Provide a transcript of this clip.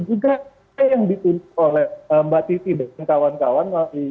juga yang ditunjuk oleh mbak titi dan kawan kawan